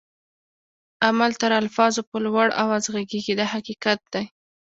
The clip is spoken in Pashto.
عمل تر الفاظو په لوړ آواز ږغيږي دا حقیقت دی.